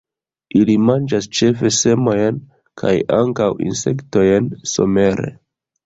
Ili manĝas ĉefe semojn, kaj ankaŭ insektojn somere.